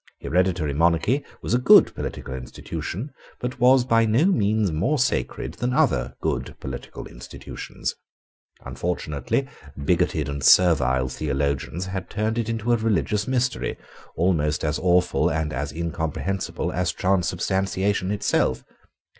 Hereditary monarchy was a good political institution, but was by no means more sacred than other good political institutions. Unfortunately, bigoted and servile theologians had turned it into a religious mystery, almost as awful and as incomprehensible as transubstantiation itself.